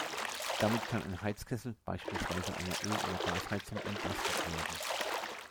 Damit kann ein Heizkessel, beispielsweise einer Öl- oder Gasheizung entlastet werden.